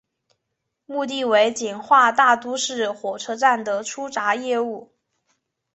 目的为简化大都市火车站的出闸业务。